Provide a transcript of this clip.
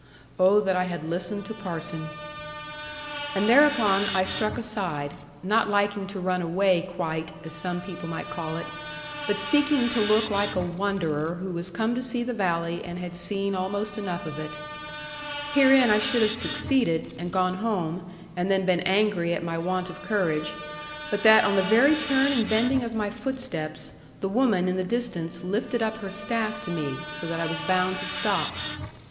Oh that I had listened to parson!' And thereupon I struck aside; not liking to run away quite, as some people might call it; but seeking to look like a wanderer who was come to see the valley, and had seen almost enough of it. Herein I should have succeeded, and gone home, and then been angry at my want of courage, but that on the very turn and bending of my footsteps, the woman in the distance lifted up her staff to me, so that I was bound to stop.